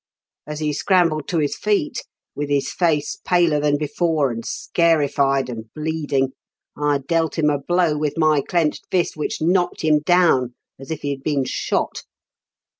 "As he scrambled to his feet, with his face paler than before, and scarified and bleeding, I dealt him a blow with my clenched fist which knocked him down as if he had been ^hot.